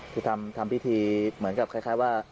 คือทำพิธีเหมือนกับคล้ายว่า